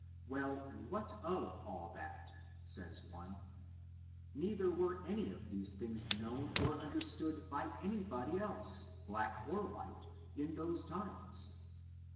Well, what of all that, says one ; neither were any of these things known or understood by any body else, black or white, in those times.